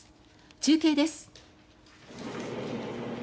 中継です。